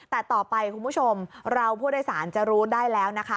แต่ต่อไปคุณผู้ชมเราผู้โดยสารจะรู้ได้แล้วนะคะ